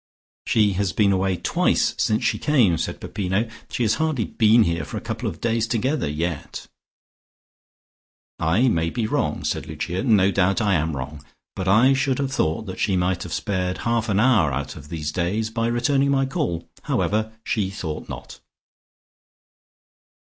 "She has been away twice since she came," said Peppino. "She has hardly been here for a couple of days together yet." "I may be wrong," said Lucia. "No doubt I am wrong. But I should have thought that she might have spared half an hour out of these days by returning my call. However, she thought not."